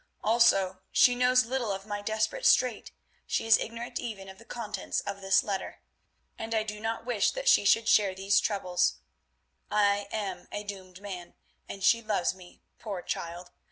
Also she knows little of my desperate strait; she is ignorant even of the contents of this letter, and I do not wish that she should share these troubles. I am a doomed man, and she loves me, poor child.